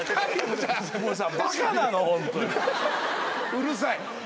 うるさい。